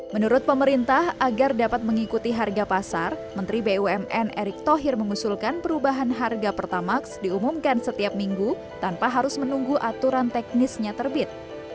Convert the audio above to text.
menurut pemerintah agar dapat mengikuti harga pasar menteri bumn erick thohir mengusulkan perubahan harga pertamax diumumkan setiap minggu tanpa harus menunggu aturan teknisnya terbit